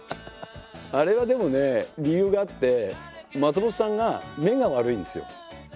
あれはでもね理由があって松本さんが目が悪いんですよ。